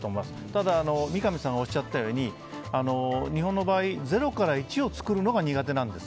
ただ、三上さんがおっしゃったように日本の場合０から１を作るのが苦手なんです。